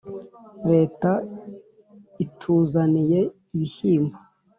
Leta ituzaniye ibishyimbo